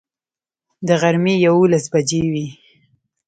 د غرمې یوولس بجې وې.